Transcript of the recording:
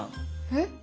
えっ？